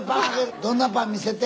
どんなパン？見せて！